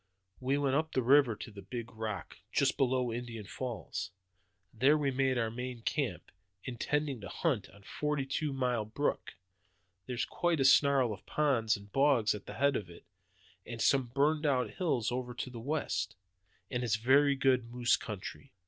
"We went up the river to the big rock, just below Indian Falls. There we made our main camp, intending to hunt on Forty two Mile Brook. There's quite a snarl of ponds and bogs at the head of it, and some burned hills over to the west, and it's very good moose country.